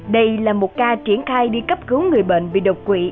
đây là một ca triển khai đi cấp cứu người bệnh bị đột quỵ